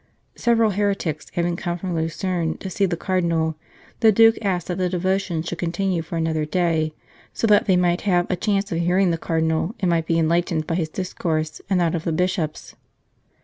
Several heretics having come from Lucerne to see the Cardinal, the Duke asked that the devotions should continue for another day, so that they might have a chance of hearing the Cardinal, and might be enlightened by his discourse and that of the Bishops.